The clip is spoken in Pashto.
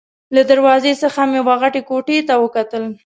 له دروازې څخه مې وه غټې کوټې ته وکتل.